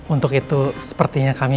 untuk itu sepertinya kami